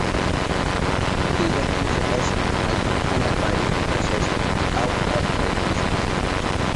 Killa puncha kashpan allkukuna purinahun kasashpa aw, aw, aw nishpa.